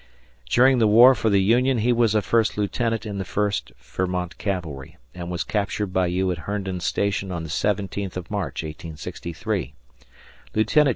During the war for the Union he was a first lieutenant in the First Vermont Cavalry, and was captured by you at Herndon Station on the 17th of March, 1863. Lieut.